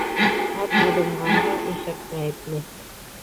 Ат абынғанға ишәк ғәйепле.